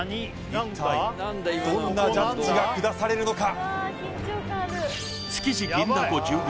一体どんなジャッジが下されるのか？